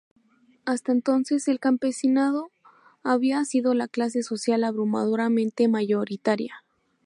Hasta entonces el campesinado había sido la clase social abrumadoramente mayoritaria.